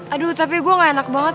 aduh tapi gue gak enak banget